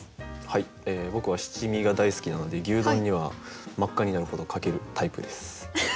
僕は七味が大好きなので牛丼には真っ赤になるほどかけるタイプです。